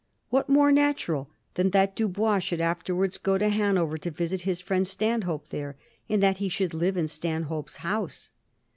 What more natural than that Dubois should afterwards go to Hanover to visit his firiend Stanhope there, and that he should live in Stanhope's house